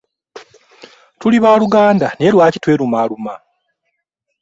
Tuli baaluganda naye lwaki twerumaaluma?